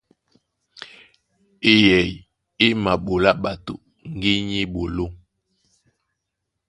Eyɛy é maɓolá ɓato ŋgínya á eɓoló.